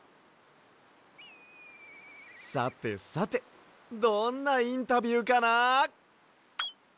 さてさてどんなインタビューかな？